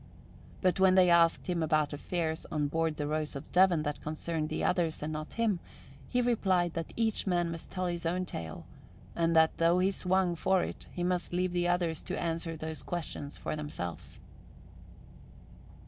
But when they asked him about affairs on board the Rose of Devon that concerned the others and not him, he replied that each man must tell his own tale and that though he swung for it he must leave the others to answer those questions for themselves.